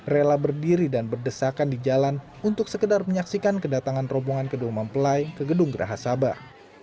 rela berdiri dan berdesakan di jalan untuk sekedar menyaksikan kedatangan rombongan kedua mempelai ke gedung geraha sabah